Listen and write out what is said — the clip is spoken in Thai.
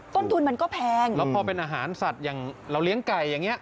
ต้นทุนมันก็แพงแล้วพอเป็นอาหารสัตว์อย่างเราเลี้ยงไก่อย่างนี้